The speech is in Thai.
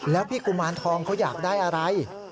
แล้วพี่กุมารทองเขาอยากได้อะไร